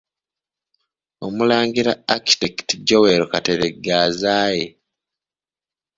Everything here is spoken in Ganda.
Omulangira Architect Joel Kateregga azaaye.